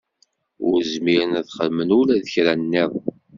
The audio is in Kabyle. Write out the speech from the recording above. Ur zmiren ad xedmen ula d kra nniḍen.